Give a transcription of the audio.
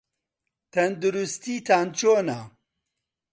تەندروستیتان چۆنە؟